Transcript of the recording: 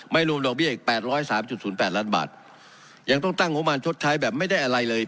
รวมดอกเบี้ยอีกแปดร้อยสามจุดศูนย์แปดล้านบาทยังต้องตั้งงบประมาณชดใช้แบบไม่ได้อะไรเลย